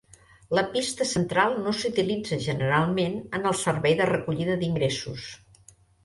La pista central no s'utilitza generalment en el servei de recollida d'ingressos.